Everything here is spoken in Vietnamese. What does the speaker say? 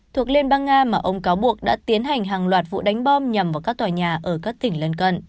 thuộc liên bang nga mà ông cáo buộc đã tiến hành hàng loạt vụ đánh bom nhằm vào các tòa nhà ở các tỉnh lân cận